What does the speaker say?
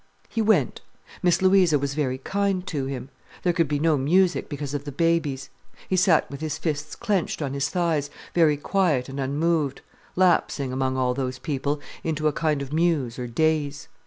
He went. Miss Louisa was very kind to him. There could be no music, because of the babies. He sat with his fists clenched on his thighs, very quiet and unmoved, lapsing, among all those people, into a kind of muse or daze.